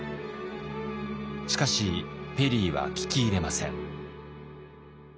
しかしペリーは聞き入れません。